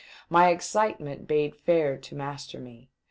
My excitement bade fair to master me.